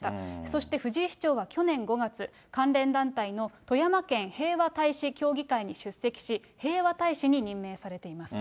そして藤井市長は去年５月、関連団体の富山県平和大使協議会に出席し、平和大使に任命されています。